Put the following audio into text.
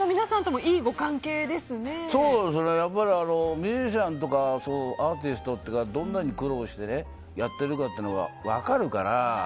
ミュージシャンとかアーティストとかがどんなに苦労してやってるかが分かるから。